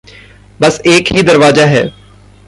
बस एक ही दरवाज़ा है।